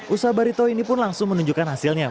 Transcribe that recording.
usaha barito ini pun langsung menunjukkan hasilnya